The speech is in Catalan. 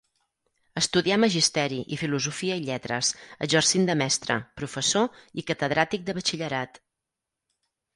Estudià magisteri i filosofia i lletres, exercint de mestre, professor i catedràtic de batxillerat.